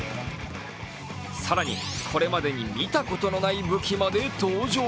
更に、これまでに見たことのない武器まで登場。